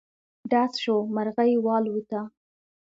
ډز شو، مرغی والوته.